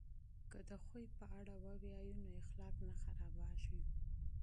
که سیرت ولولو نو اخلاق نه خرابیږي.